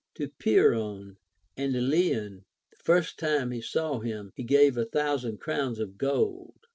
To Pyrrhon the Elean, the first thne he saw him, he gave a thousand crowns in gold.